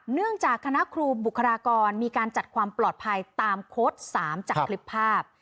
เนื่องจากคณะครูบุคลากรมีการจัดความปลอดภัยตามโค้ด๓จากคลิปภาพ